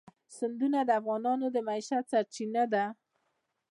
سیندونه د افغانانو د معیشت سرچینه ده.